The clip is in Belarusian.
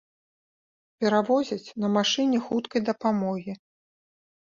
Перавозяць на машыне хуткай дапамогі.